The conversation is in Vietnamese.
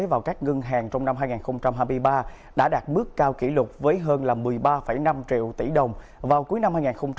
vào các ngân hàng trong năm hai nghìn hai mươi ba đã đạt mức cao kỷ lục với hơn một mươi ba năm triệu tỷ đồng vào cuối năm hai nghìn hai mươi ba